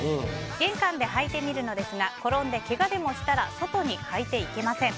玄関で履いてみるのですが転んでけがでもしたら外に履いていけません。